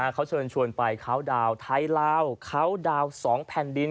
เค้าเชิญชวนไปเค้าดาวท้ายแลาวโค้งสองแผ่นดิน